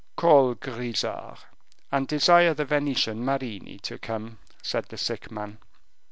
"Call Grisart, and desire the Venetian Marini to come," said the sick man.